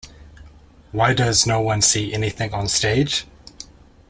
Why does no one see anything on stage?